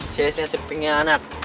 csnya si penyianat